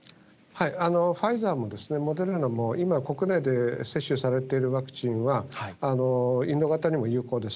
ファイザーも、モデルナも、今、国内で接種されているワクチンは、インド型にも有効です。